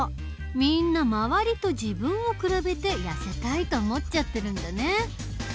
みんな周りと自分を比べてやせたいと思っちゃってるんだね。